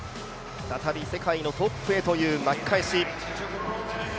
再び世界のトップへという巻き返し。